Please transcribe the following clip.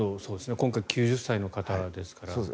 今回、９０歳の方ですからね。